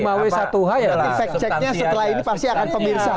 jadi fact checknya setelah ini pasti akan pemirsa